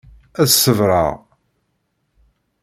Ad ṣebreɣ.